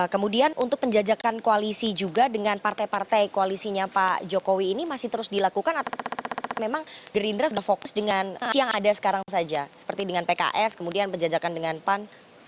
kemudian untuk penjajakan koalisi juga dengan partai partai koalisinya pak jokowi ini masih terus dilakukan atau memang gerindra sudah fokus dengan yang ada sekarang saja seperti dengan pks kemudian penjajakan dengan pan